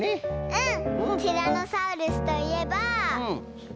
うん。